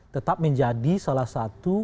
tetap menjadi salah satu